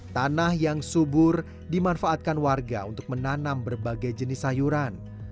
tanah yang subur dimanfaatkan warga untuk menanam berbagai jenis sayuran